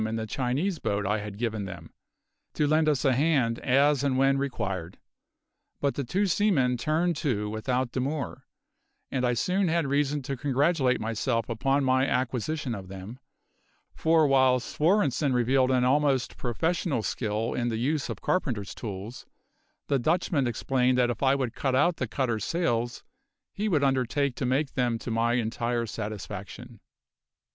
in the Chinese boat I had given them, to lend us a hand as and when required. But the two seamen turned to without demur, and I soon had reason to congratulate myself upon my acquisition of them; for while Svorenssen revealed an almost professional skill in the use of carpenters' tools, the Dutchman explained that if I would cut out the cutter's sails he would undertake to make them to my entire satisfaction.